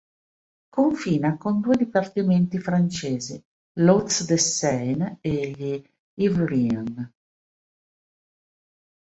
Confina con due dipartimenti francesi: l'Hauts-de-Seine e gli Yvelines.